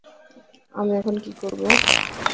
আমি এখন কি করব?